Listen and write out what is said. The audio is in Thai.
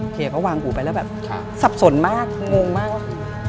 เขาก็วางกูไปแล้วแบบสับสนมากงงมาก